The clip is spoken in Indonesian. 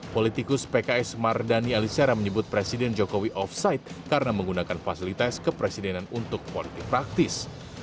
politikus pks mardani alisera menyebut presiden jokowi offside karena menggunakan fasilitas kepresidenan untuk politik praktis